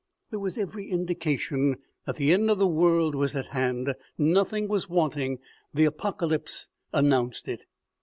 There was every indication that the end of the world ij6 OMEGA. was at hand. Nothing was wanting. The Apocalypse announced it.